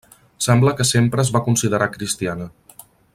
Sembla que sempre es va considerar cristiana.